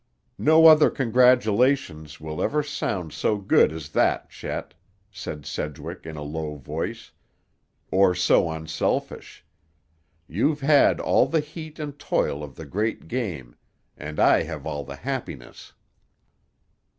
"No other congratulations will ever sound so good as that, Chet," said Sedgwick in a low voice; "or so unselfish. You've had all the heat and toil of the great game, and I have all the happiness."